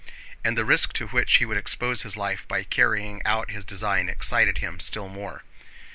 And the risk to which he would expose his life by carrying out his design excited him still more.